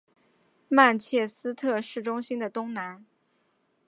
曼彻斯特市中心的东南。